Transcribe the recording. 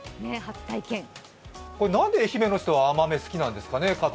なんで愛媛の人は甘めが好きなんですかね？